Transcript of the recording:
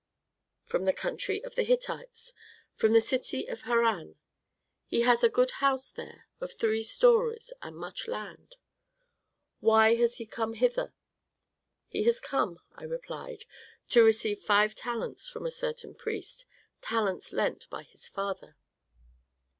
'From the country of the Hittites, from the city of Harran; he has a good house there of three stories, and much land.' 'Why has he come hither?' 'He has come,' I replied, 'to receive five talents from a certain priest, talents lent by his father.'